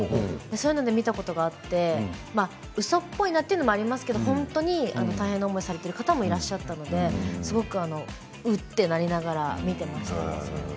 そういうので見たことがあってうそっぽいなというのもありますけど本当に大変な思いされてる方もいらっしゃったのですごく、うっとなりながら見ていました。